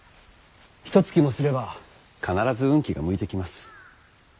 ひとつきもすれば必ず運気が向いてきます。